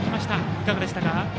いかがでしたか？